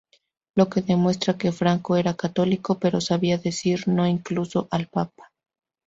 Lo que demuestra que Franco era católico pero sabía decir no incluso al Papa.